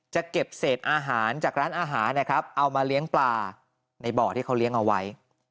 จะเก็บเศษอาหารจากร้านอาหารนะครับเอามาเลี้ยงปลาในบ่อที่เขาเลี้ยงเอาไว้